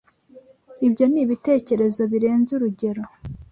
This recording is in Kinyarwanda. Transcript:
Ibyo ni ibitekerezo birenze urugero.